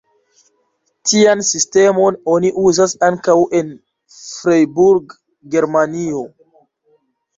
Tian sistemon oni uzas ankaŭ en Freiburg, Germanio.